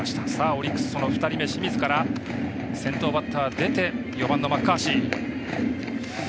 オリックス、２人目の清水から先頭バッター出て４番のマッカーシー。